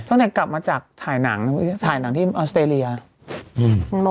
ตั้งแต่กลับมาจากถ่ายหนังถ่ายหนังที่ออสเตรเลียอืม